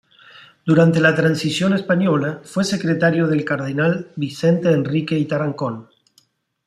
Durante la Transición Española fue secretario del cardenal Vicente Enrique y Tarancón.